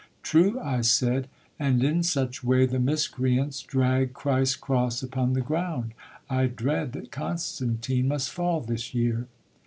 True, I said, And in such way the miscreants drag Christ's cross upon the ground, I dread That Constantine must fall this year.